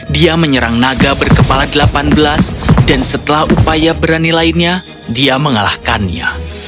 dia menyerang naga berkepala delapan belas dan setelah upaya berani lainnya dia mengalahkannya